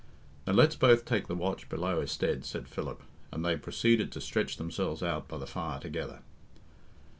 "Then let's both take the watch below i'stead," said Philip, and they proceeded to stretch themselves out by the fire together.